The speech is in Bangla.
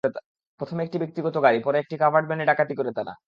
প্রথমে একটি ব্যক্তিগত গাড়ি, পরে একটি কাভার্ড ভ্যানে ডাকাতি করে তারা।